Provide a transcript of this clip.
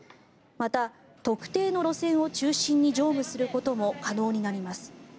また、特定の路線を中心に乗務することも可能になります。